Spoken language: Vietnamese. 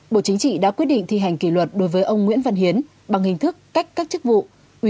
bộ chính trị đã quyết định thi hành kỷ luật đối với ông nguyễn văn hiến bằng hình thức cách các chức vụ